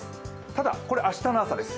ただ、明日の朝です。